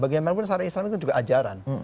bagaimanapun secara islam itu juga ajaran